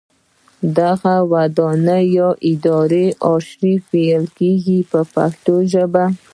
دغه ودانۍ یا ادارې ارشیف ویل کیږي په پښتو ژبه.